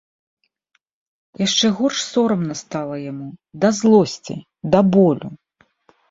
Яшчэ горш сорамна стала яму, да злосці, да болю.